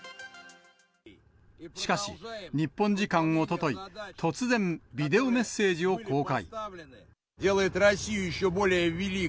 しかし、日本時間おととい、突然ビデオメッセージを公開。